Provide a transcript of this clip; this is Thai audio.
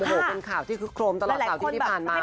โอ้โหเป็นข่าวที่คุกโครมตลอดต่อที่ที่ผ่านมา